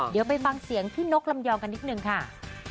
เดี๋ยวไปฟังเสียงพี่นกลำยองกันนิดนึงค่ะ